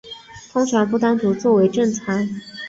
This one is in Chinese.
通常不单独地作为正餐。